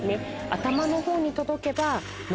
頭の方に届けば。